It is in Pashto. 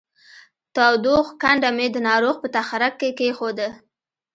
تودوښ کنډه مې د ناروغ په تخرګ کې کېښوده